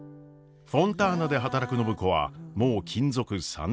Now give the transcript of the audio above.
フォンターナで働く暢子はもう勤続３年目。